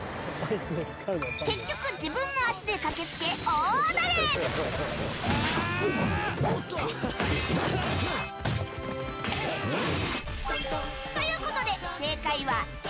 結局、自分の足で駆け付け大暴れ！ということで正解はＡ。